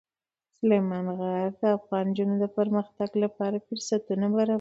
سلیمان غر د افغان نجونو د پرمختګ لپاره فرصتونه برابروي.